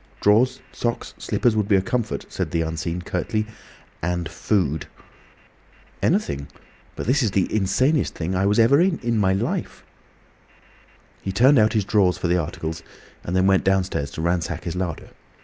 "Drawers, socks, slippers would be a comfort," said the Unseen, curtly. "And food." "Anything. But this is the insanest thing I ever was in, in my life!" He turned out his drawers for the articles, and then went downstairs to ransack his larder.